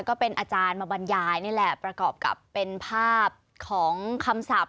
ก็เป็นอาจารย์มาบรรยายนี่แหละประกอบกับเป็นภาพของคำศัพท์